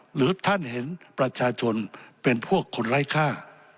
หรือท่านเห็นประชาชนเป็นพวกคนไร้ค่า